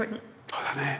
そうだねぇ。